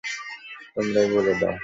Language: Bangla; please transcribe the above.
তোমরাই বলে দাও।